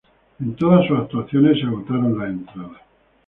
En todas sus actuaciones se agotaron las entradas.